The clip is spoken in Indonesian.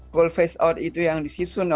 call phase out itu yang disusun oleh pln